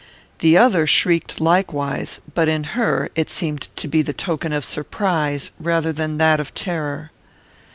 The other shrieked likewise, but in her it seemed to be the token of surprise rather than that of terror.